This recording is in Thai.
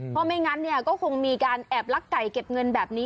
เพราะไม่งั้นเนี่ยก็คงมีการแอบลักไก่เก็บเงินแบบนี้